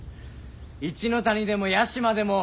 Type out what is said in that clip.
一ノ谷でも屋島でも。